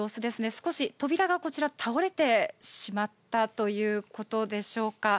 少し扉がこちら、倒れてしまったということでしょうか。